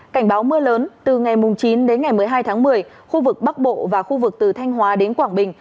cảnh báo mưa lớn từ ngày chín đến ngày một mươi hai tháng một mươi khu vực bắc bộ và khu vực từ thanh hóa đến quảng bình